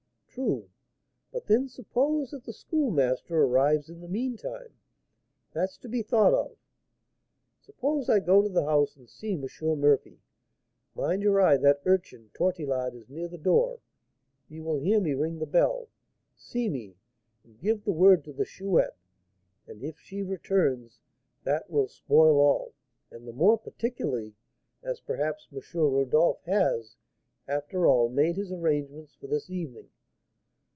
True; but then suppose that the Schoolmaster arrives in the meantime, that's to be thought of. Suppose I go to the house and see M. Murphy, mind your eye! that urchin Tortillard is near the door; he will hear me ring the bell, see me, and give the word to the Chouette; and if she returns, that will spoil all; and the more particularly as perhaps M. Rodolph has, after all, made his arrangements for this evening.'